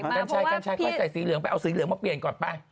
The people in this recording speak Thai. กังชายก็ใส่สีเหลืองไปเอาสีเหลืองมาเปลี่ยนกดไป